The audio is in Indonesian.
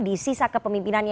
di sisa kepemimpinannya